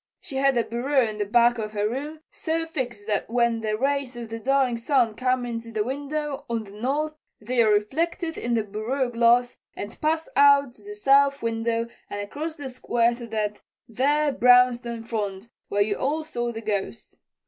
She had a bureau in the back of her room so fixed that when the rays of the dying sun come into the window on the north they are reflected in the bureau glass and pass out of the south window and across the square to that there brownstone front where you all saw the Ghost.